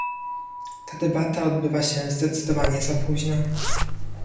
Ta debata odbywa się zdecydowanie za późno